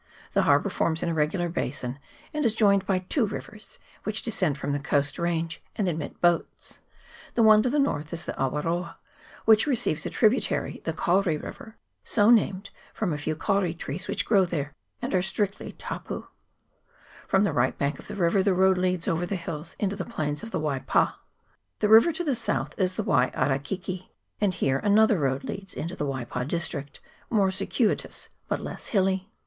The harbour forms an irregular basin, and is joined by two rivers, which descend from the coast range, and admit boats ; the one to the north is the Awaroa, which receives a tributary, the Kauri river, so named from a few kauri trees which grow here, and are strictly " tapu :" from the right bank of the river the road leads over the hills into the plains of the Waipa ; the river to the south is the Wai Arekeke, and here another road leads into the Waipa district, more circuitous, but less hilly.